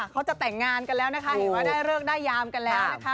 เขาจะแต่งงานกันแล้วนะคะเห็นว่าได้เลิกได้ยามกันแล้วนะคะ